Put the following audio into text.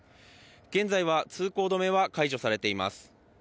現在は通行止めは解除されています。